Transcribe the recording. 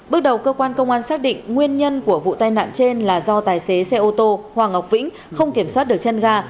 bước đầu cơ quan công an xác định nguyên nhân của vụ tai nạn trên là do tài xế xe ô tô hoàng ngọc vĩnh không kiểm soát được chân ga